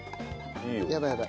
やばいやばい。